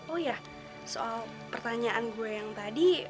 oh ya soal pertanyaan gue yang tadi